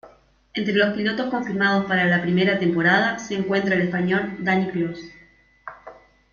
Entre los pilotos confirmados para la primera temporada se encuentra el español Dani Clos.